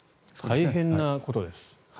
大変なことです。